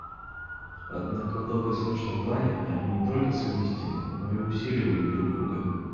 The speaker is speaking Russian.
Однако в долгосрочном плане они не только совместимы, но и усиливают друг друга.